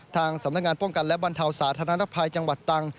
ทางสำนักงานป้องกันและบรรเทาสาธารณภัยจังหวัดตรัง